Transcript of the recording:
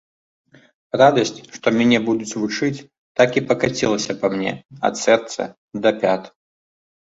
Радасць, што мяне будуць вучыць, так і пакацілася па мне, ад сэрца да пят.